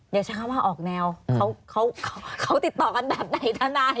เดี๋ยวเช้ามาออกแนวเขาติดต่อกันแบบไหนทนาย